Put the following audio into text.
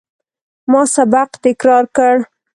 ما سبق تکرار کړ.